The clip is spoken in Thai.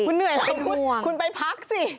คุณเหนื่อยอะไรคุณไปพักสิ